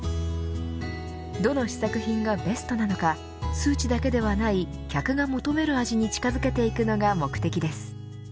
どの試作品がベストなのか数値だけではない客が求める味に近づけていくのが目的です。